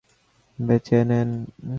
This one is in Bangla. তিনি ভারতকে তাঁর কর্মক্ষেত্ররূপে বেছে নেন।